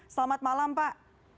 selamat malam pak